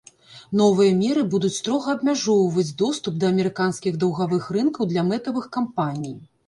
Новыя меры будуць строга абмяжоўваць доступ да амерыканскіх даўгавых рынкаў для мэтавых кампаній.